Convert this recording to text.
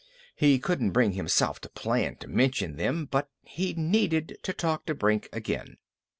He couldn't bring himself to plan to mention them, but he needed to talk to Brink again.